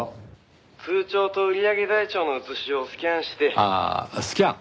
「通帳と売上台帳の写しをスキャンして」ああスキャン？